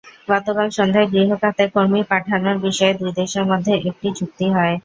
গতকাল সন্ধ্যায় গৃহ খাতে কর্মী পাঠানোর বিষয়ে দুই দেশের মধ্যে একটি চুক্তি হয়।